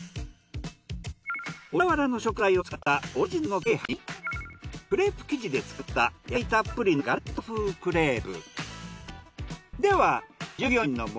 小田原の食材を使ったオリジナルの鶏飯にクレープ生地で作った野菜たっぷりのガレット風クレープ。